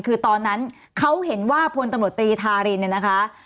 คือตอนนั้นเขาเห็นว่าพลตำรวจตรีธารินเนี่ยนะคะ